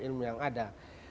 ilmu yang ada